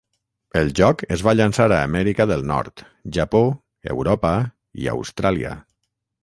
El joc es va llançar a Amèrica del Nord, Japó, Europa i Austràlia.